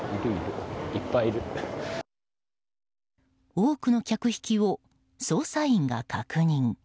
多くの客引きを捜査員が確認。